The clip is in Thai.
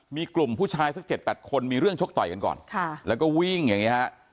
มีกลุ่มผู้ชายสัก๗๘คนมีเรื่องชกต่อยกันก่อนค่ะแล้วก็วิ่งอย่างนี้ฮะ